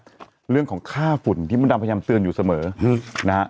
เรื่องของค่าฝุ่นที่มดดำพยายามเตือนอยู่เสมอนะฮะ